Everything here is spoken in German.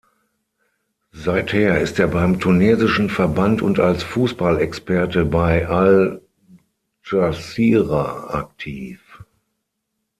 Seither ist er beim tunesischen Verband und als Fußballexperte bei al-Dschasira aktiv.